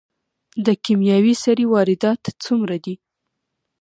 د کیمیاوي سرې واردات څومره دي؟